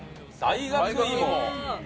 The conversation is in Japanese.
大学芋。